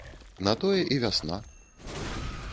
На тое і вясна.